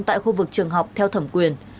tại khu vực trường học theo thẩm quyền